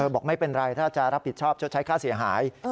บอกไม่เป็นไรถ้าจะรับผิดชอบชดใช้ค่าเสียหาย